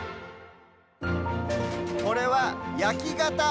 これは「やきがた」。